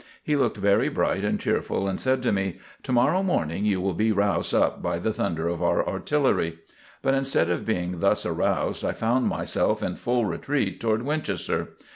He looked very bright and cheerful and said to me: "To morrow morning you will be roused up by the thunder of our artillery." But instead of being thus aroused I found myself in full retreat toward Winchester.